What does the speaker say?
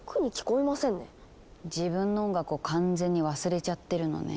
自分の音楽を完全に忘れちゃってるのね。